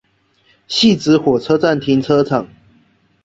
汐止火車站停車場